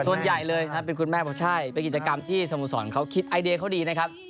ส่วนใหญ่เลยถ้าเป็นคุณแม่บอกใช่เป็นกิจกรรมที่สโมสรเขาคิดไอเดียเขาดีนะครับ